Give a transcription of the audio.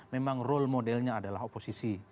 memang role modelnya adalah oposisi